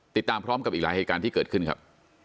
ติดตามพร้อมกับอีกหลายเหตุการณ์ที่เกิดขึ้นครับ